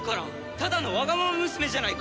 ただのワガママ娘じゃないか！